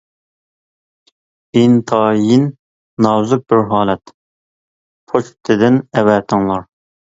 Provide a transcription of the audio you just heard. ئىنتايىن نازۇك بىر «ھالەت» . -پوچتىدىن ئەۋەتىڭلار!